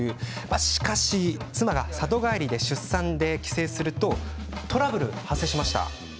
しかし妻が里帰り出産で帰省するとトラブルが発生。